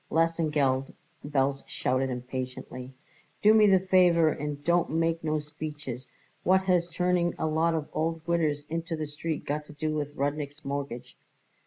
"Lesengeld," Belz shouted impatiently, "do me the favour and don't make no speeches. What has turning a lot of old widders into the street got to do with Rudnik's mortgage?"